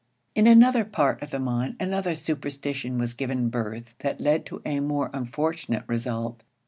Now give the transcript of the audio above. In another part of the mine another superstition was given birth that led to a more unfortunate result.